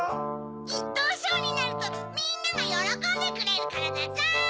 １とうしょうになるとみんながよろこんでくれるからだゾウ！